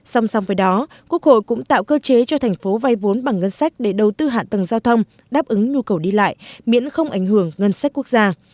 song song với đó quốc hội cũng tạo cơ chế cho thành phố vay vốn bằng ngân sách để đầu tư hạ tầng giao thông đáp ứng nhu cầu đi lại miễn không ảnh hưởng ngân sách quốc gia